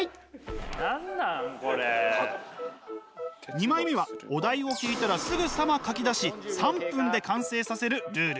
２枚目はお題を聞いたらすぐさま描きだし３分で完成させるルール。